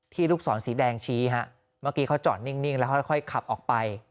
ลูกศรสีแดงชี้ฮะเมื่อกี้เขาจอดนิ่งแล้วค่อยขับออกไป